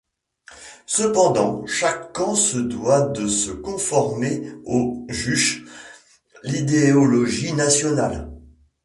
Cependant, chaque camp se doit de se conformer au Juche, l’idéologie nationale.